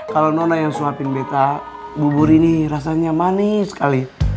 kalo nona yang suapin betta bubur ini rasanya manis kali